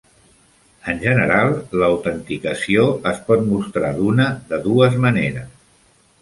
En general, l'autenticació es pot mostrar d'una de dues maneres.